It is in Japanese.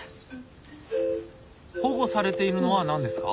保護されているのは何ですか？